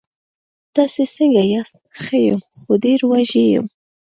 تاسې څنګه یاست؟ ښه یم، خو ډېر وږی یم.